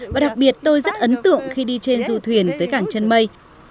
và đặc biệt tôi rất ấn tượng khi đi trên du thuyền tới cảng chân mây